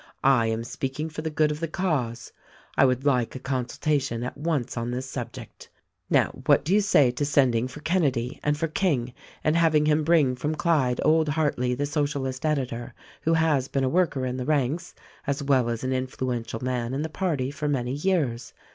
I am speaking for the good of the cause. I would like a consultation at once on this sub ject. Now, what do you say to sending for Kenedy and for King and having him bring from Clyde old Hartleigh the Socialist editor, who has been a worker in the ranks, as well as an influential man in the party for many years.